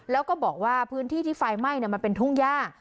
แล้วก็บอกว่าพื้นที่ที่ไฟไหม้มันเป็นทุ่งย่า